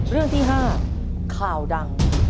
เรื่องที่๕ข่าวดัง